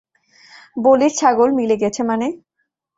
বলির ছাগল মিলে গেছে মানে।